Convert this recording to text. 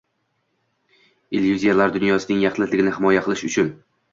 “illyuziyalar” dunyosining yaxlitligini himoya qilish uchun